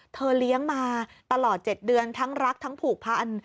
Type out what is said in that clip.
เลี้ยงมาตลอด๗เดือนทั้งรักทั้งผูกพัน